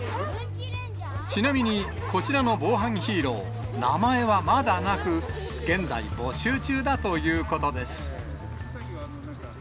ちなみに、こちらの防犯ヒーロー、名前はまだなく、現在、募集中だということです。